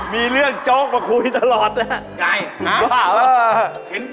มีเรื่องโจ๊กมาคุยตลอดนะไงว่า